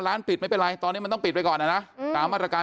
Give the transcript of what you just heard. ร้านปิดไม่เป็นไรตอนนี้มันต้องปิดไปก่อนนะตามมาตรการ